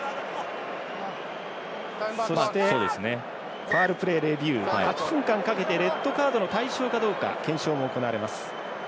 そして、ファウルプレーレビュー８分間かけてレッドカードの対象かどうか検証が行われます。